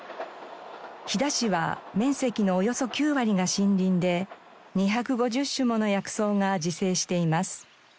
飛騨市は面積のおよそ９割が森林で２５０種もの薬草が自生しています。